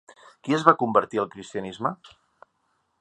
Qui es va convertir al cristianisme?